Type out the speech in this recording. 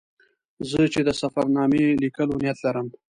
زه چې د سفر نامې لیکلو نیت لرم.